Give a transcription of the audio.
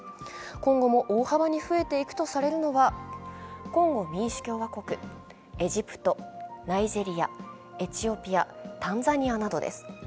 今後も大幅に増えていくとされるのはコンゴ民主共和国、エジプト、ナイジェリア、エチオピア、タンザニアなどです。